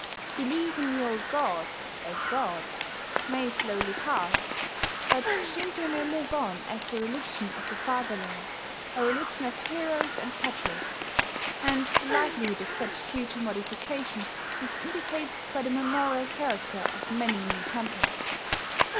Belief in the old gods, as gods, may slowly pass; but Shinto may live on as the Religion of the Fatherland, a religion of heroes and patriots; and the likelihood of such future modification is indicated by the memorial character of many new temples.